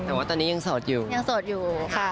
แต่ว่าตอนนี้ยังโสดอยู่ยังโสดอยู่ค่ะ